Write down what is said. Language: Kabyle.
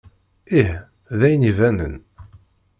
Ih, d ayen ibanen.